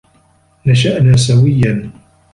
نشأنا سويّا.